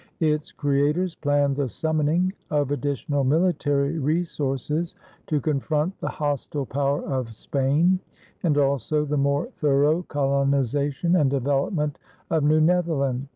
Its creators planned the summoning of additional military resources to confront the hostile power of Spain and also the more thorough colonization and development of New Netherland.